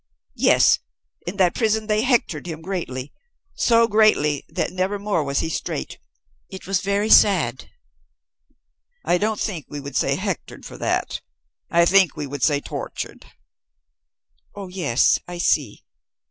Yes. In the prison they hectored him greatly so greatly that never more was he straight. It was very sad." "I don't think we would say hectored, for that. I think we would say tortured." "Oh, yes. I see.